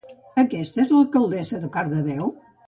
Aquesta és l'alcaldessa de Cardedeu?